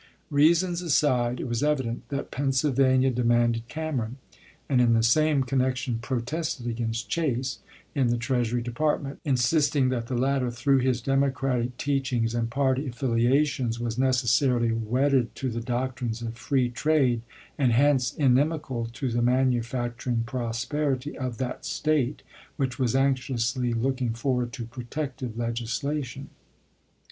Reasons aside, it was evident that Pennsyl vania demanded Cameron, and in the same con nection protested against Chase, in the Treasury Department, insisting that the latter, through his Democratic teachings and party affiliations, was necessarily wedded to the doctrines of free trade, and hence inimical to the manufacturing prosperity of that State, which was anxiously looking forward to protective legislation.